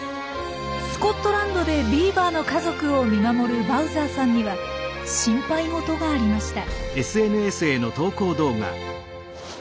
スコットランドでビーバーの家族を見守るバウザーさんには心配事がありました。